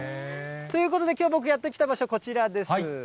ということで、きょう、僕やって来た場所、こちらです。